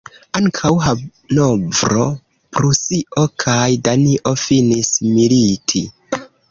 Ankaŭ Hanovro, Prusio kaj Danio finis militi.